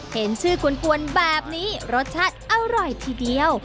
เห็นชื่อกวนแบบนี้รสชาติอร่อยทีเดียว